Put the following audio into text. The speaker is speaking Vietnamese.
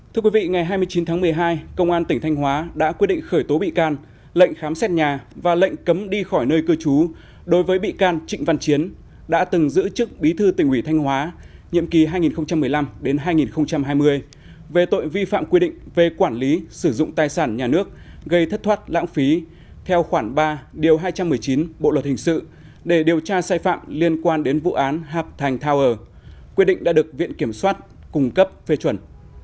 thưa quý vị ngày hai mươi chín tháng một mươi hai công an tỉnh thanh hóa đã quyết định khởi tố bị can lệnh khám xét nhà và lệnh cấm đi khỏi nơi cư trú đối với bị can trịnh văn chiến đã từng giữ chức bí thư tỉnh ủy thanh hóa nhiệm kỳ hai nghìn một mươi năm hai nghìn hai mươi về tội vi phạm quy định về quản lý sử dụng tài sản nhà nước gây thất thoát lãng phí theo khoảng ba hai trăm một mươi chín bộ luật hình sự để điều tra sai phạm liên quan đến vụ án hạp thành tower quyết định đã được viện kiểm soát cung cấp phê chuẩn